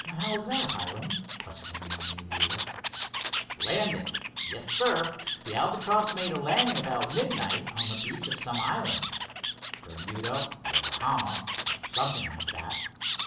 "How is that, Hiram?" questioned the young aviator. "Landed. Yes, sir, the Albatross made a landing about midnight on the beach of some island—Bermuda or Bahama, or something like that.